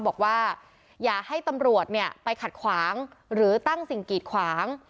บอกว่าอย่าให้ตำรวจเนี่ยไปขัดขวางหรือตั้งสิ่งกีดขวาง